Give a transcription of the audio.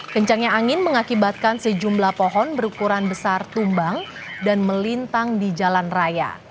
kencangnya angin mengakibatkan sejumlah pohon berukuran besar tumbang dan melintang di jalan raya